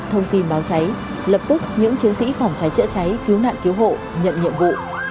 thông tin báo cháy lập tức những chiến sĩ phòng cháy chữa cháy cứu nạn cứu hộ nhận nhiệm vụ